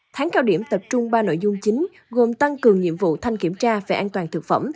tháng cao điểm tập trung ba nội dung chính gồm tăng cường nhiệm vụ thanh kiểm tra về an toàn thực phẩm